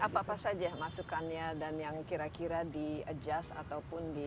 apa apa saja masukannya dan yang kira kira di adjust ataupun di